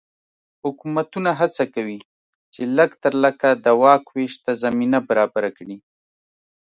حکومتونه هڅه کوي چې لږ تر لږه د واک وېش ته زمینه برابره کړي.